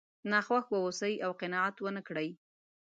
ناخوښ واوسئ او قناعت ونه کړئ.